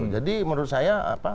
jadi menurut saya